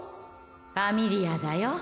「ファミリア」だよ。